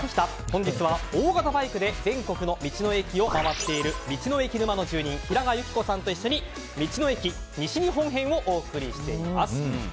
本日は大型バイクで全国の道の駅を回っている道の駅沼の住人平賀由希子さんと一緒に道の駅西日本編をお送りしています。